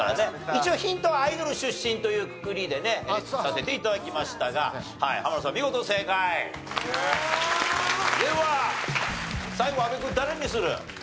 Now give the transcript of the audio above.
一応ヒントはアイドル出身というくくりでねさせて頂きましたが浜野さん見事正解！では最後阿部君誰にする？